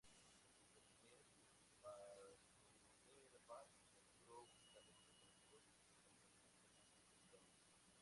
En su niñez, Vasudeva mostró un talento precoz en aprender temas espirituales.